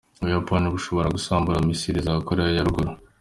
Ubuyapani bushobora gusambura "missiles" za Korea ya Ruguru.